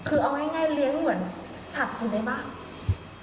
คือเอาง่ายเลี้ยงเหมือนสัตว์คนในบ้าน